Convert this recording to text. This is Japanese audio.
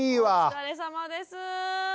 お疲れさまです。